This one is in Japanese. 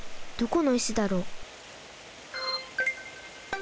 どこの石だろう？